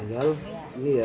ternyata gak susah